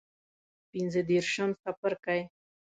پنځه دیرشم څپرکی